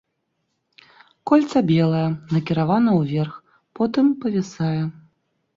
Кольца белае, накіравана ўверх, потым павісае.